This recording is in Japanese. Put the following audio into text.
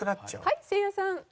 はいせいやさん。